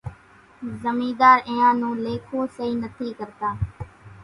زمينۮار اينيان نون ليکون سئِي نٿِي ڪرتا۔